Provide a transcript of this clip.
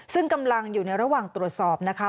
ซึ่งกำลังอยู่ในระหว่างตรวจสอบนะคะ